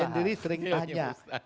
saya sendiri sering tanya